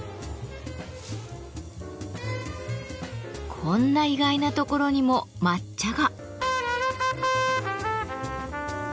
こんな意外なところにも抹茶が。